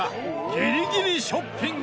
ギリギリショッピング。